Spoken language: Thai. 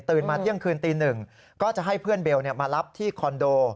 มาเที่ยงคืนตีหนึ่งก็จะให้เพื่อนเบลมารับที่คอนโด